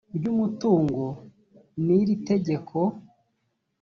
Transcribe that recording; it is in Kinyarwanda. ry umutungo n iri tegeko